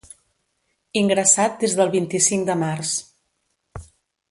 Ingressat des del vint-i-cinc de març.